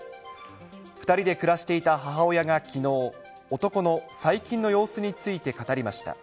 ２人で暮らしていた母親がきのう、男の最近の様子について語りました。